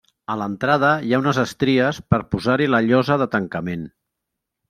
A l'entrada hi ha unes estries per posar-hi la llosa de tancament.